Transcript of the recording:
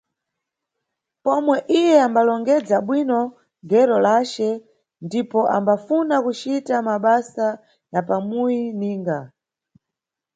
Pomwe iye ambalongedza bwino nʼgero lace ndipo ambafuna kucita mabasa ya pamuyi ninga.